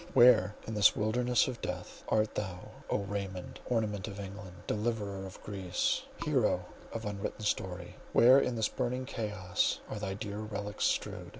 Where, in this wilderness of death, art thou, O Raymond—ornament of England, deliverer of Greece, "hero of unwritten story," where in this burning chaos are thy dear relics strewed?